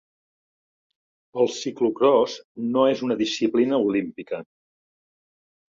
El ciclocròs no és una disciplina olímpica.